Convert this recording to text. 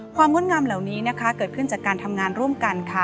งดงามเหล่านี้เกิดขึ้นจากการทำงานร่วมกันค่ะ